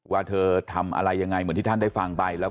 ว่าเธอทำอะไรยังไงเหมือนที่ท่านได้ฟังไปแล้ว